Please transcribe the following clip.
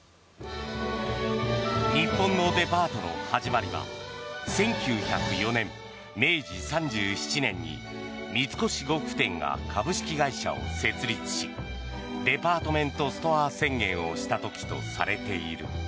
日本のデパートの始まりは１９０４年、明治３７年に三越呉服店が株式会社を設立しデパートメントストア宣言をした時とされている。